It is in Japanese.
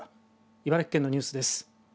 茨城県のニュースです。